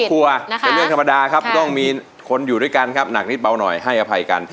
เป็นเรื่องธรรมดาครับต้องมีคนอยู่ด้วยกันครับหนักนิดเบาหน่อยให้อภัยกัน